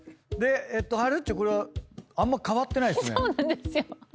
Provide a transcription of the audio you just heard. ではるっちこれはあんま変わってないですね。